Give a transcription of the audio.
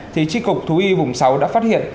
thì tri cục thú y vùng sáu đã phát hiện